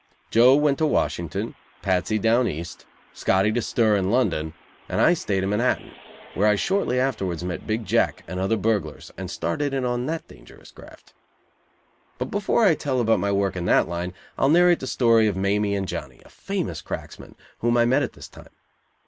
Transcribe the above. Joe went to Washington, Patsy down East, Scotty to "stir" in London and I stayed in Manhattan, where I shortly afterwards met Big Jack and other burglars and started in on that dangerous graft. But before I tell about my work in that line, I will narrate the story of Mamie and Johnny, a famous cracksman, whom I met at this time.